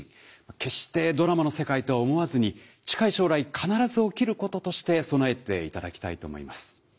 決してドラマの世界とは思わずに近い将来必ず起きることとして備えていただきたいと思います。